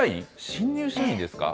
新入社員ですか？